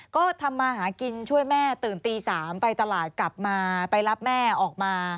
ก็ทำมาหากินช่วยแม่ตื่นตี๓ไปตลาดกลับมาไปรับแม่ออกมา